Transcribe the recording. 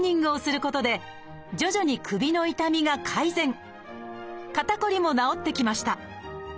肩こりも治ってきました